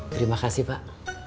terima kasih pak